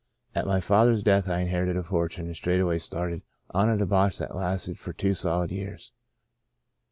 At my father's death I inherited a fortune and straightway started on a debauch that lasted for two solid years.